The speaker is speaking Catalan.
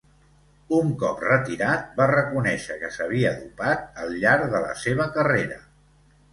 Un cop retirat va reconèixer que s'havia dopat al llarg de la seva carrera.